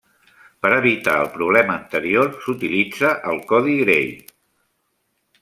Per evitar el problema anterior, s'utilitza el Codi Gray.